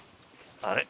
あれ？